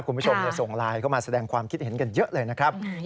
คุณผู้ชมส่งไลน์เข้ามาแสดงความคิดเห็นกันเยอะเลยนะครับ